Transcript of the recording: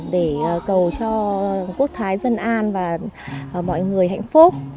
để cầu cho quốc thái dân an và mọi người hạnh phúc